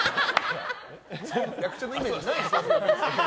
役者のイメージないですよ。